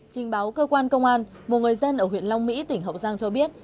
trình báo cơ quan công an một người dân ở huyện long mỹ tỉnh hậu giang cho biết